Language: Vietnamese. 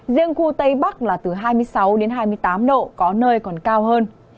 riêng khu tây bắc là từ hai mươi sáu đến hai mươi tám độ có nơi còn cao hơn